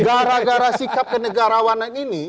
gara gara sikap ke negarawanan ini